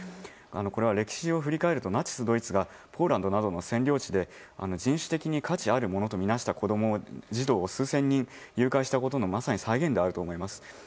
これは歴史上振り返るとナチスドイツがポーランドなどの占領地で人種的に価値あるものとみなした児童数千人を誘拐したことのまさに再現であると思います。